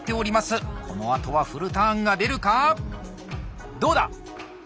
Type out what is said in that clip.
このあとはフルターンが出るか⁉どうだ！